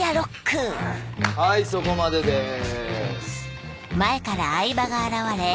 はいそこまでです。